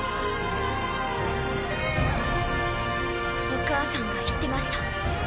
お母さんが言ってました。